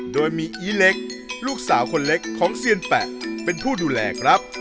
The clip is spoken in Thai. โดยมีอีเล็กลูกสาวคนเล็กของเซียนแปะเป็นผู้ดูแลครับ